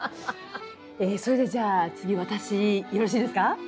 えっそれでじゃあ次私よろしいですか？